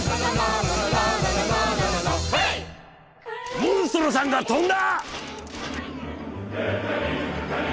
モンストロさんが飛んだ！